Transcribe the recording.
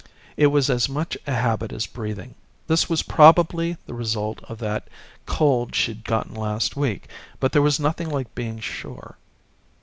It was as much a habit as breathing. This was probably the result of that cold she'd gotten last week, but there was nothing like being sure.